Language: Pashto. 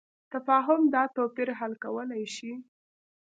تفاهم دا توپیر حل کولی شي.